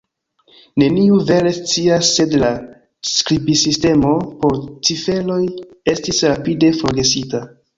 Neniu vere scias sed la skribsistemo por ciferoj estis rapide forgesita